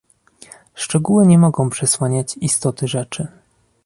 Szczegóły nie mogą przesłaniać istoty rzeczy